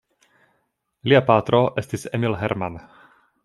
Lia patro estis Emil Herrmann.